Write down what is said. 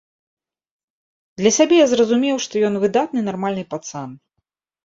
Для сябе я зразумеў, што ён выдатны нармальны пацан.